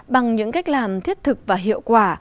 bằng những cách làm thiết thực và hiệu quả